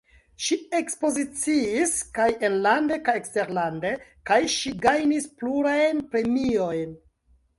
Ŝi ekspoziciis kaj enlande kaj eksterlande, kaj ŝi gajnis plurajn premiojn.